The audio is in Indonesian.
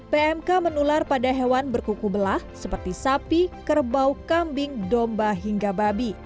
pmk menular pada hewan berkuku belah seperti sapi kerbau kambing domba hingga babi